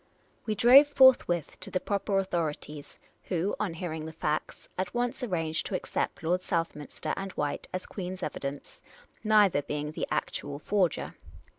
" We drove forthwith to the proper authorities, who, on hearing the facts, at once arranged to accept Lord South minster and White as Queen's evidence, neither being the ac tual forger.